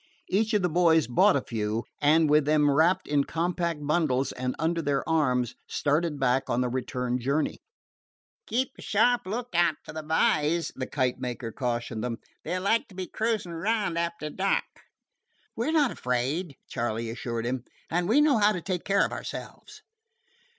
Each of the boys bought a few, and, with them wrapped in compact bundles and under their arms, started back on the return journey. "Keep a sharp lookout for the b'ys," the kite maker cautioned them. "They 're like to be cruisin' round after dark." "We 're not afraid," Charley assured him; "and we know how to take care of ourselves."